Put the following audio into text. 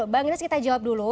bang yunus kita jawab dulu